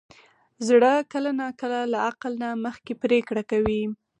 زړه کله ناکله له عقل نه مخکې پرېکړه کوي.